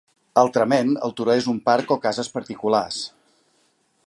Altrament, el turó és un parc o cases particulars.